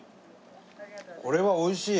これはおいしい。